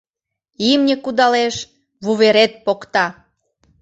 Имне кудалеш, вуверет покта.